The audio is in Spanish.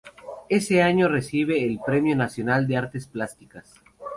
Ese año recibe el Premio Nacional de Artes Plásticas.